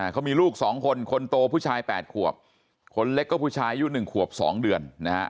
เขามีลูก๒คนคนโตผู้ชาย๘ขวบคนเล็กก็ผู้ชายอายุ๑ขวบ๒เดือนนะฮะ